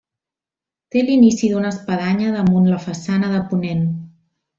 Té l'inici d'una espadanya damunt la façana de ponent.